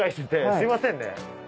すいませんね。